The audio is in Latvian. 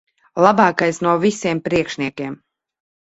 Labākais no visiem priekšniekiem.